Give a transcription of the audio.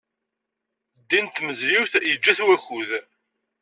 Ddin n tmezliwt yeǧǧa-t wakud!